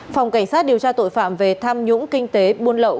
phòng cảnh sát điều tra tội phạm về tham nhũng kinh tế buôn lậu